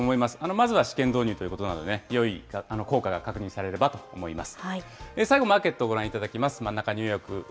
まずは試験導入ということなのでね、よい効果が確認されればと思います。